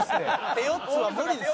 手四つは無理です。